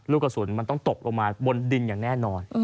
ลูกกระสุนมันต้องตกลงมาบนดินอย่างแน่นอน